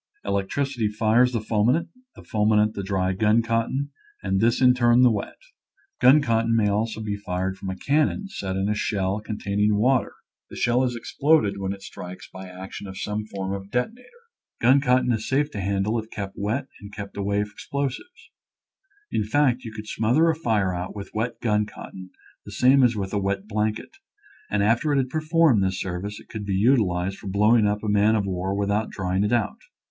Electricity fires the fulminate, the fulminate the dry gun cotton, and this in turn the wet. Gun cotton may also be fired from a cannon set in a shell containing water; the shell is , i . Original from UNIVERSITY OF WISCONSIN t>igb fijplosivee. 235 exploded when it strikes by the action of some form of detonator. Gun cotton is safe to handle if kept wet and kept away from ex plosives. In fact, you could smother a fire out with wet gun cotton the same as with a wet blanket, and after it had performed this serv ice it could be utilized for blowing up a man of war without drying it out.